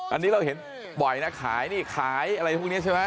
อันนี้เราเห็นบ่อยนะขายอะไรพวกนี้ใช่มั้ย